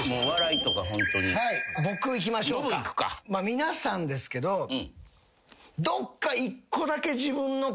皆さんですけどどっか１個だけ。